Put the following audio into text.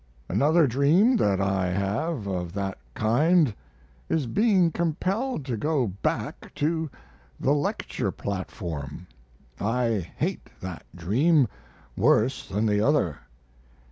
"Another dream that I have of that kind is being compelled to go back to the lecture platform. I hate that dream worse than the other.